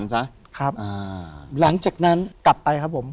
หลังจากนั้นกลับไปครับผม